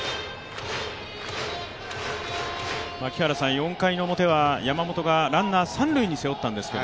４回の表は山本がランナーを三塁に背負ったんですけど？